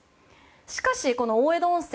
しかし、この大江戸温泉